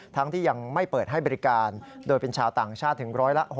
ที่ยังไม่เปิดให้บริการโดยเป็นชาวต่างชาติถึง๑๖๐